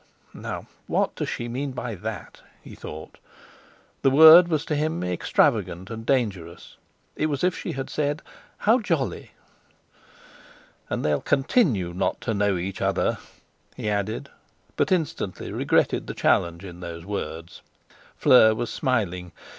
'Now, what does she mean by that?' he thought. The word was to him extravagant and dangerous—it was as if she had said: "How jolly!" "And they'll continue not to know each, other," he added, but instantly regretted the challenge in those words. Fleur was smiling.